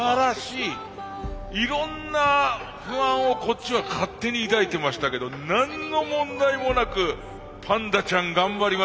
いろんな不安をこっちは勝手に抱いてましたけど何の問題もなくパンダちゃん頑張りました。